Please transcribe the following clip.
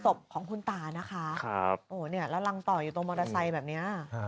ศพของคุณตานะคะโอ้เนี่ยแล้วรังต่ออยู่ตรงมอเตอร์ไซค์แบบนี้